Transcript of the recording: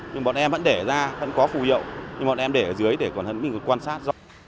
nhưng bọn em vẫn để ra vẫn có phù hiệu nhưng bọn em để ở dưới để mình còn quan sát